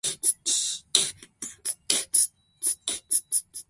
しかし生物的生命はなお環境的である、いまだ真に作られたものから作るものへではない。